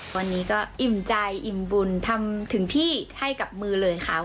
วันนี้ก็อิ่มใจอิ่มบุญทำถึงที่ให้กับมือเลยค่ะ